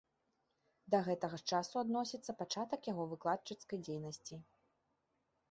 Да гэтага ж часу адносіцца пачатак яго выкладчыцкай дзейнасці.